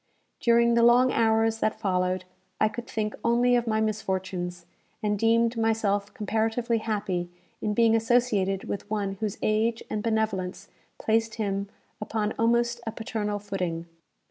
During the long hours that followed, I could think only of my misfortunes, and deemed myself comparatively happy in being associated with one whose age and benevolence placed him upon almost a paternal footing.